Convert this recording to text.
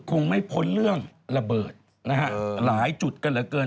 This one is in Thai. คงไม่พ้นเรื่องระเบิดนะฮะหลายจุดกันเหลือเกิน